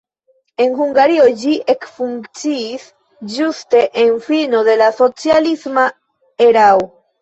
En Hungario ĝi ekfunkciis ĝuste en fino de la socialisma erao.